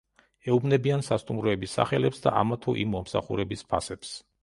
ეუბნებიან სასტუმროების სახელებს და ამა თუ იმ მომსახურების ფასებს.